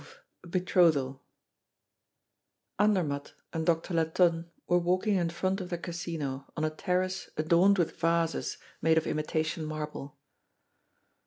A Betrothal Andermatt and Doctor Latonne were walking in front of the Casino on a terrace adorned with vases made of imitation marble.